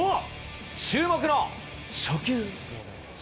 注目の初球。